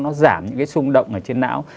nó giảm những cái sung động ở trên não